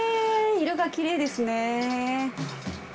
色がきれいですね。